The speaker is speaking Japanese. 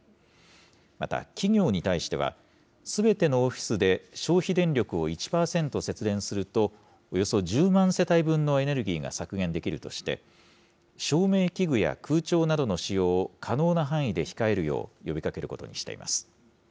また企業に対しては、すべてのオフィスで消費電力を１％節電すると、およそ１０万世帯分のエネルギーが削減できるとして、照明器具や空調などの使用を可能な範囲で控えるよう、呼びかけることにしています。